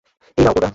এই নাও, কোডা।